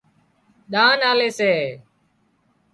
ۮانَ آلي سي